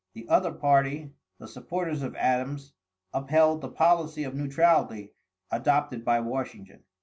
The other party, the supporters of Adams, upheld the policy of neutrality adopted by Washington.